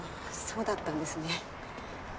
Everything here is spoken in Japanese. そうだったんですね